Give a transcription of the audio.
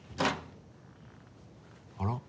あら？